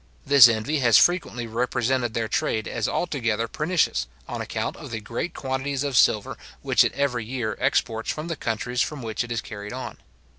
This envy has frequently represented their trade as altogether pernicious, on account of the great quantities of silver which it every year exports from the countries from which it is carried on.